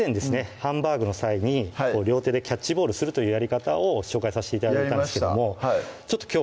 ハンバーグの際に両手でキャッチボールするというやり方を紹介させて頂いたんですけどもやりました